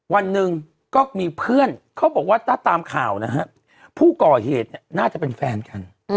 วันหนึ่งก็มีเพื่อนเขาบอกว่าถ้าตามข่าวนะฮะผู้ก่อเหตุเนี่ยน่าจะเป็นแฟนกัน